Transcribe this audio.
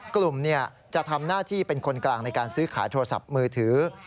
กลุ่มจะทำหน้าที่เป็นคนกลางในการซื้อขายโทรศัพท์มือถือ